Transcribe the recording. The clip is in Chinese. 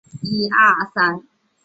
打铁还需自身硬。